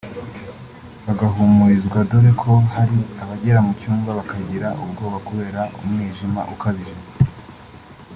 bagahumurizwa dore ko hari abagera mu cyumba bakagira ubwoba kubera umwijima ukabije